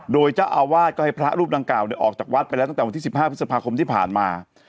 โดยเจ้าอาวาสก็ให้พระรูปดังกล่าวออกจากวัดไปแล้วตั้งแต่วันที่๑๕พฤษภาคมที่ผ่านมา